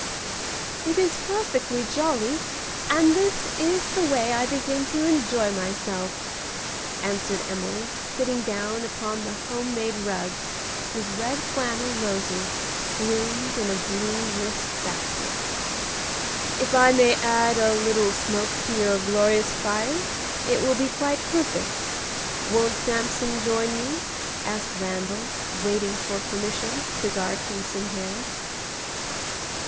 "It is perfectly jolly, and this is the way I begin to enjoy myself," answered Emily, sitting down upon the home made rug, whose red flannel roses bloomed in a blue list basket. "If I may add a little smoke to your glorious fire, it will be quite perfect. Won't Samson join me?" asked Randal, waiting for permission, cigar case in hand.